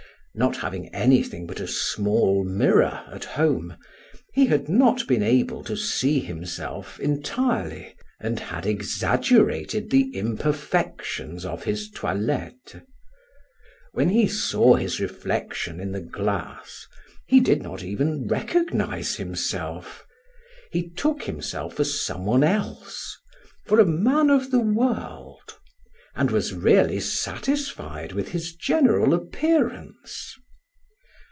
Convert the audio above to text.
Not having anything but a small mirror at home, he had not been able to see himself entirely, and had exaggerated the imperfections of his toilette. When he saw his reflection in the glass, he did not even recognize himself; he took himself for some one else, for a man of the world, and was really satisfied with his general appearance.